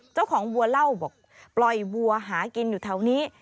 วัวเล่าบอกปล่อยวัวหากินอยู่แถวนี้